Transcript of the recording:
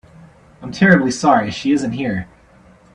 I'm terribly sorry she isn't here.